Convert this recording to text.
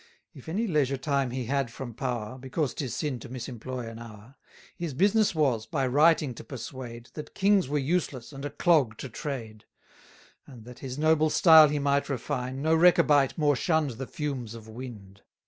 If any leisure time he had from power (Because 'tis sin to misemploy an hour), His business was, by writing to persuade, That kings were useless and a clog to trade; And, that his noble style he might refine, No Rechabite more shunn'd the fumes of wind.